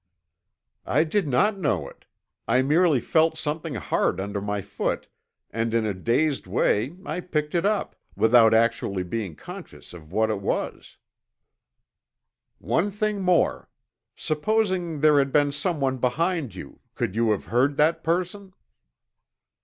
"I did not know it. I merely felt something hard under my foot and in a dazed way I picked it up, without actually being conscious of what it was." "One thing more. Supposing there had been someone behind you, could you have heard that person?"